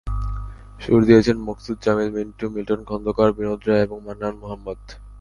সুর দিয়েছেন মকসুদ জামিল মিন্টু, মিল্টন খন্দকার, বিনোদ রায় এবং মান্নান মোহাম্মদ।